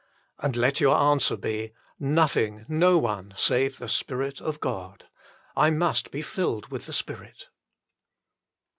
" And let your answer be :" Nothing, no one, save the Spirit of God. I must be filled with the Spirit."